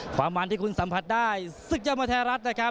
ความว่านที่คุณสัมผัสได้ศึกเยาะมันแท้รัฐนะครับ